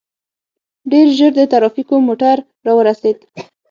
ډېر ژر د ټرافيکو موټر راورسېد.